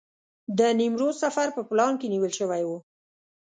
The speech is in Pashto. د نیمروز سفر په پلان کې نیول شوی و.